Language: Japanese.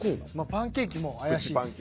パンケーキも怪しいです。